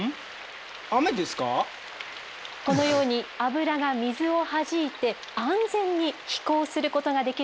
このように脂が水をはじいて安全に飛行することができるのでございます。